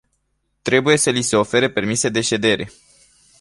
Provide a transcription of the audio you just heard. Trebuie să li se ofere permise de ședere.